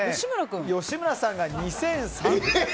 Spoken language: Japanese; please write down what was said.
吉村さんが２３００円。